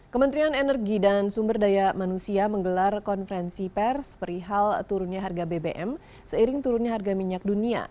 kementerian energi dan sumber daya manusia menggelar konferensi pers perihal turunnya harga bbm seiring turunnya harga minyak dunia